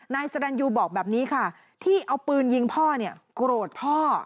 นายสรรยูบอกแบบนี้ค่ะที่เอาปืนยิงพ่อเนี่ยโกรธพ่อ